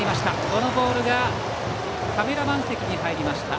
このボールがカメラマン席に入りました。